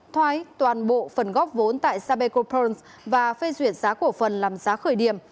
thoái toàn bộ phần góp vốn tại sapeco prons và phê duyệt giá cổ phần làm giá khởi điểm